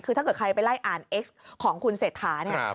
คือถ้าเกิดใครไปไล่อ่านเอ็กซ์ของคุณเศรษฐาเนี่ย